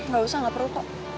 gak usah gak perlu kok